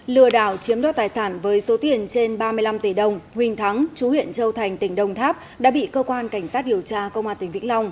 lừa đảo chiếm đoạt tài sản với số tiền trên ba mươi năm tỷ đồng huỳnh thắng chú huyện châu thành tỉnh đồng tháp đã bị cơ quan cảnh sát điều tra công an tỉnh vĩnh long